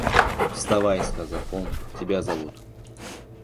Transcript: – Вставай, – сказал он, – тебя зовут.